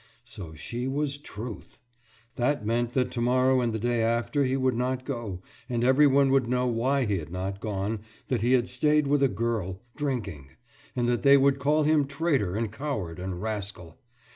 So she was Truth!... That meant that tomorrow and the day after he would not go, and everyone would know why he had not gone, that he had stayed with a girl, drinking; and they would call him traitor and coward and rascal.